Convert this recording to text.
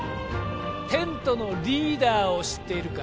テントのリーダーを知っているか？